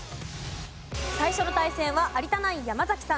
最初の対戦は有田ナイン山さん